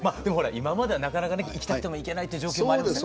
今まではなかなかね行きたくても行けないっていう状況もありました。